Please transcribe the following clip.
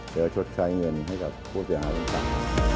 แล้วชดใช้เงินให้กับผู้เจ้าหาวันต่าง